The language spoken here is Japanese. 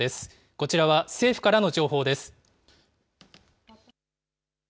こちらは政府からの情報です。